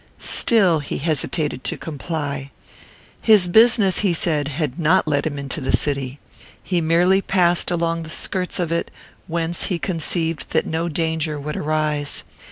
Still he hesitated to comply. His business, he said, had not led him into the city. He merely passed along the skirts of it, whence he conceived that no danger would arise.